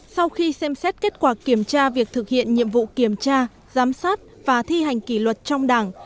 sau khi xem xét kết quả kiểm tra việc thực hiện nhiệm vụ kiểm tra giám sát và thi hành kỷ luật trong đảng